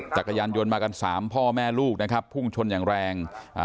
จักรยานยนต์มากันสามพ่อแม่ลูกนะครับพุ่งชนอย่างแรงอ่า